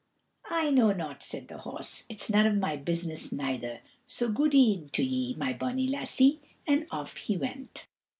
"I know not," said the horse, "it's none of my business neither. So goode'en to ye, my bonny lassie;" and off he went.